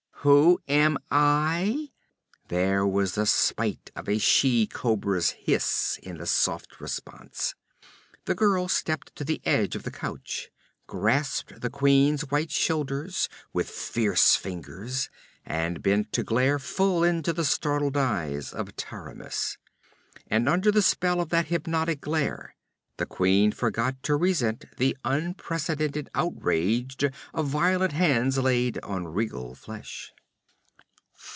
'Who am I?' There was the spite of a she cobra's hiss in the soft response. The girl stepped to the edge of the couch, grasped the queen's white shoulders with fierce fingers, and bent to glare full into the startled eyes of Taramis. And under the spell of that hypnotic glare, the queen forgot to resent the unprecedented outrage of violent hands laid on regal flesh.